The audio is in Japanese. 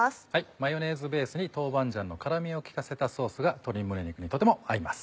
マヨネーズベースに豆板醤の辛みを利かせたソースが鶏胸肉にとても合います。